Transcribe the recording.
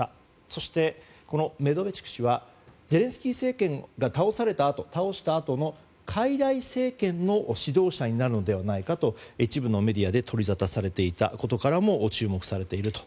そして、メドベチュク氏はゼレンスキー政権が倒されたあと傀儡政権の指導者になるのではないかと一部のメディアで取りざたされていたことからも注目されていると。